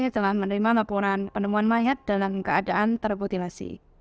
telah menerima laporan penemuan mayat dalam keadaan termutilasi